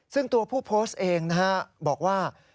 ซึ่งตัวผู้โพสต์เองนะฮะบอกว่า